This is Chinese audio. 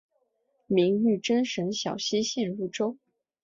明玉珍省小溪县入州。